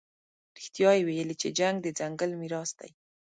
رښتیا یې ویلي چې جنګ د ځنګل میراث دی.